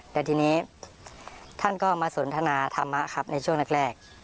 แต่ทีนี้ท่านก็มาสนทนาธรรมะครับในช่วงแรก